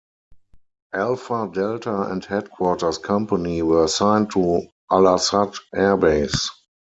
Alpha, Delta and Headquarters company were assigned to Al Asad airbase.